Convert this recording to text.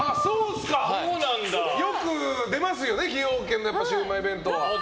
よく出ますよね崎陽軒のシウマイ弁当。